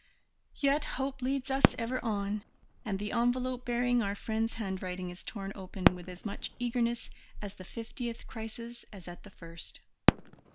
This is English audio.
Yet hope leads us ever on, and the envelope bearing our friend's handwriting is torn open with as much eagerness at the fiftieth crisis as at the first.